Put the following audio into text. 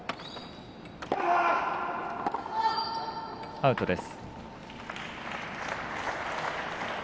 アウトです。